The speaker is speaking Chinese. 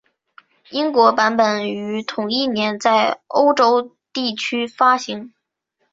英文版本于同一年在欧洲地区发行。